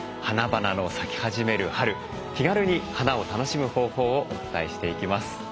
花々の咲き始める春気軽に花を楽しむ方法をお伝えしていきます。